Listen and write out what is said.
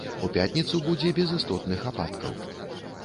У пятніцу будзе без істотных ападкаў.